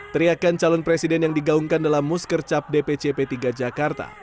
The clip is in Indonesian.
teriakan calon presiden yang digaungkan dalam muskercap dpc p tiga jakarta